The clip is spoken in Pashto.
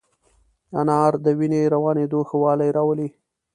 انار د وینې روانېدو ښه والی راولي.